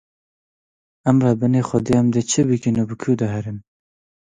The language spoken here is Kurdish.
Em rebenê xwedê, em dê çi bikin û bi ku de herin?